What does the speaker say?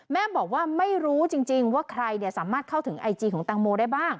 แม่บอกว่าไม่รู้จริงว่าใครสามารถเข้าถึงไอจีของตังโมได้บ้าง